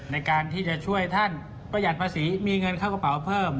ในการที่จะช่วยท่านประหยัดภาษีมีเงินเข้ากระเป๋าเพิ่ม